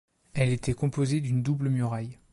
Elle était composée d’une double muraille.